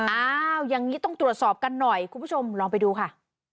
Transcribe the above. อ้าวอย่างนี้ต้องตรวจสอบกันหน่อยคุณผู้ชมลองไปดูค่ะ